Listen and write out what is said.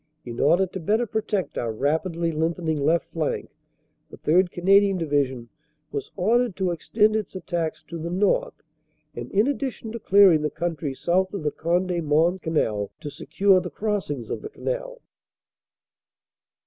In order to better protect our rapidly lengthening left flank, the 3rd. Canadian Division was ordered to extend its attacks to the north, and, in addition to clearing the country south of the Conde Mons Canal, to secure the crossings of the Canal."